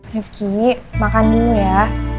revki makan dulu ya